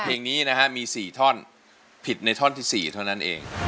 เพลงนี้นะฮะมี๔ท่อนผิดในท่อนที่๔เท่านั้นเอง